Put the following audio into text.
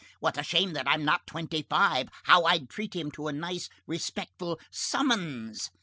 What a shame that I'm not twenty five! How I'd treat him to a nice respectful summons!